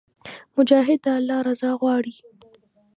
مجاهد د الله رضا غواړي.